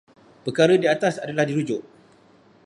Perkara di atas adalah dirujuk.